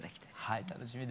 はい楽しみです。